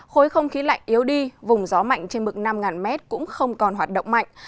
khối không khí lạnh yếu đi vùng gió mạnh trên mực năm m cũng không còn hoạt động mạnh